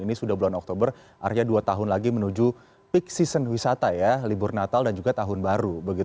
ini sudah bulan oktober artinya dua tahun lagi menuju peak season wisata ya libur natal dan juga tahun baru